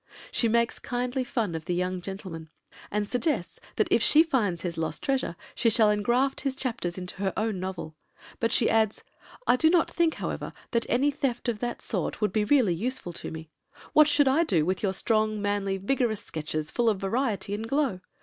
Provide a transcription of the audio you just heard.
She makes kindly fun of the young gentleman, and suggests that if she finds his lost treasure she shall engraft his chapters into her own novel; but she adds: "I do not think, however, that any theft of that sort would be really very useful to me. What should I do with your strong, manly, vigorous sketches, full of variety and glow?